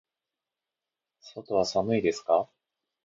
外は寒いですか。